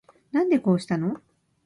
なんでこうしたの